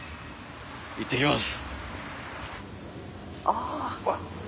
いってきます。